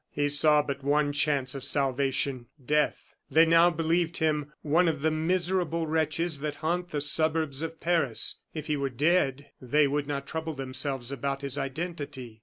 He saw but one chance of salvation death. They now believed him one of the miserable wretches that haunt the suburbs of Paris; if he were dead they would not trouble themselves about his identity.